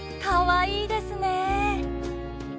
かわいいですね。